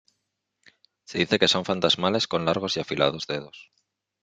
Se dice que son fantasmales con largos y afilados dedos.